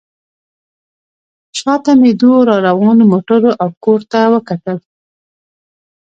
شا ته مې دوو راروانو موټرو او کور ته وکتل.